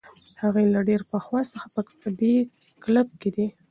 هغوی له ډېر پخوا څخه په دې کلب کې دي.